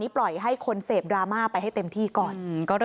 ปล่อยให้คนเสพดราม่าไปให้เต็มที่ก่อน